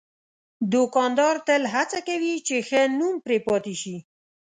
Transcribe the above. دوکاندار تل هڅه کوي چې ښه نوم پرې پاتې شي.